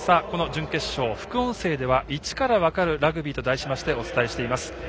この準決勝、副音声では「イチからわかるラグビー」と題しましてお伝えしています。